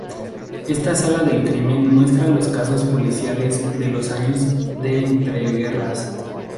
Esta Sala del Crimen muestra los casos policiales de los años de entreguerras.